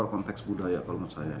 konteks budaya kalau menurut saya